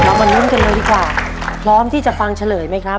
เรามันลุ้มกันเลยค่ะพร้อมที่จะฟังเฉลยไหมครับ